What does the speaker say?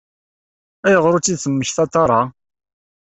Ayɣer ur tt-id-temmektaḍ ara?